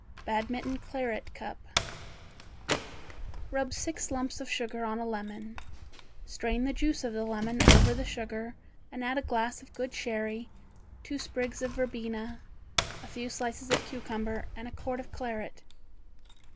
Badminton Claret Cup Rub six lumps of sugar on a lemon, strain the juice of the lemon over the sugar and add a glass of good sherry, two sprigs of verbena, a few slices of cucumber and a quart of claret.